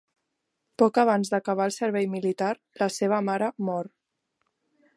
Poc abans d'acabar el servei militar, la seva mare mor.